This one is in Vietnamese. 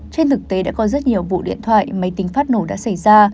trên thực tế đã có rất nhiều vụ điện thoại máy tính phát nổ đã xảy ra